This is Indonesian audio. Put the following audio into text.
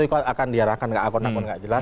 itu akan diarahkan ke akun akun nggak jelas